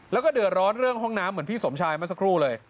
แล้วก็เดือดร้อนเรื่องห้องน้ำเหมือนพี่สมชายเมื่อสักครู่เลย